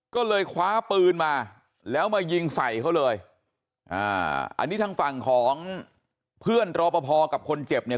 ก็เลยคว้าปืนมาแล้วมายิงใส่เขาเลยอ่าอันนี้ทางฝั่งของเพื่อนรอปภกับคนเจ็บเนี่ย